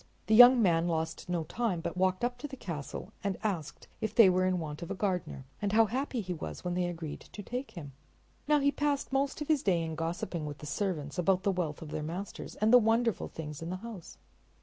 The young man lost no time, but walked up to the castle and asked if they were in want of a gardener; and how happy he was when they agreed to take him! Now he passed most of his day in gossiping with the servants about the wealth of their masters and the wonderful things in the house.